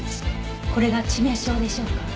これが致命傷でしょうか？